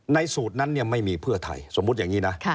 สูตรนั้นไม่มีเพื่อไทยสมมุติอย่างนี้นะ